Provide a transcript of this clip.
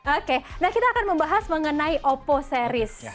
oke nah kita akan membahas mengenai opo series